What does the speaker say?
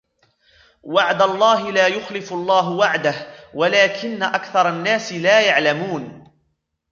وَعْدَ اللَّهِ لَا يُخْلِفُ اللَّهُ وَعْدَهُ وَلَكِنَّ أَكْثَرَ النَّاسِ لَا يَعْلَمُونَ